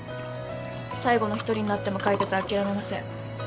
最後の一人になっても解決諦めません